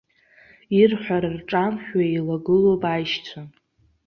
Ирҳәара рҿамшәо еилагылоуп аишьцәа.